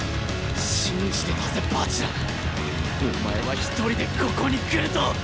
信じてたぜ蜂楽お前は一人でここに来ると！